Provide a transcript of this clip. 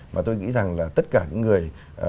và tôi nghĩ rằng là tất cả những người